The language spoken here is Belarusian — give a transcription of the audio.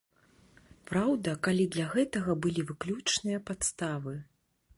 Праўда, калі для гэтага былі выключныя падставы.